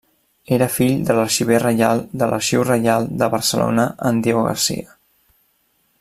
Era fill de l'Arxiver Reial de l'Arxiu Reial de Barcelona en Diego Garcia.